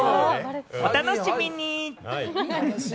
お楽しみに。